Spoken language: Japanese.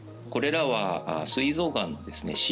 これらはすい臓がんのですね